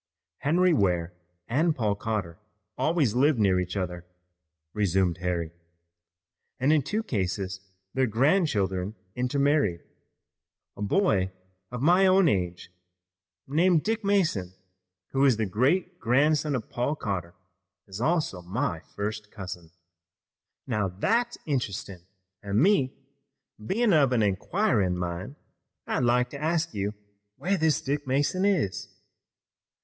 "Henry Ware and Paul Cotter always lived near each other," resumed Harry, "and in two cases their grandchildren intermarried. A boy of my own age named Dick Mason, who is the great grandson of Paul Cotter, is also my first cousin." "Now that's interestin' an' me bein' of an inquirin' min', I'd like to ask you where this Dick Mason is."